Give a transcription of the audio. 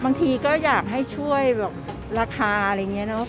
บางทีก็อยากให้ช่วยแบบราคาอะไรอย่างนี้เนอะ